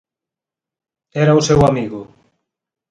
Era o seu amigo.